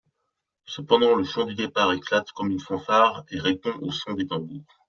Cependant le Chant du Départ éclate comme une fanfare et répond au son des tambours.